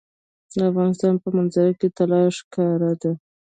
د افغانستان په منظره کې طلا ښکاره ده.